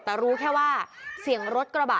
แต่รู้แค่ว่าเสียงรถกระบะ